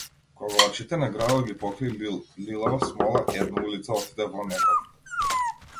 Кога очите на градот ги покри лилава смола една улица отиде во неврат.